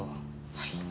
はい。